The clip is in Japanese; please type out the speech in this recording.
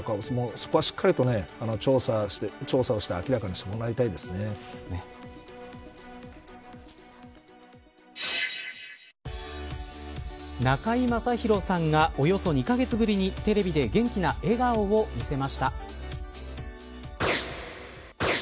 そこは、しっかりと調査をして中居正広さんがおよそ２カ月ぶりにテレビで元気な笑顔を見せました。